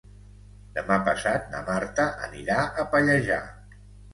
Demà passat na Marta anirà a Pallejà.